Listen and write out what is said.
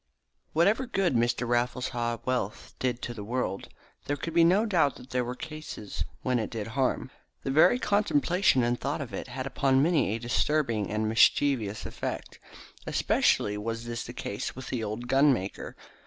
Whatever good Mr. Raffles Haw's wealth did to the world, there could be no doubt that there were cases where it did harm. The very contemplation and thought of it had upon many a disturbing and mischievous effect. Especially was this the case with the old gunmaker.